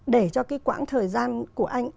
để cho cái quãng thời gian của anh